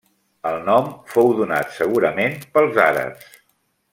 El nom fou donat segurament pels àrabs.